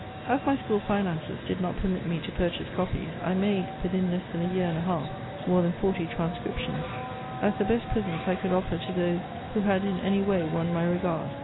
As my school finances did not permit me to purchase copies, I made, within less than a year and a half, more than forty transcriptions, as the best presents I could offer to those, who had in any way won my regard.